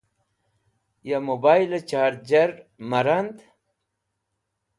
ya mobile charger mar rand